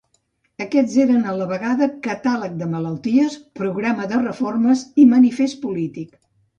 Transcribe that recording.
Aquests eren a la vegada catàleg de malalties, programa de reformes i manifest polític.